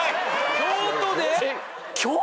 ・京都で！？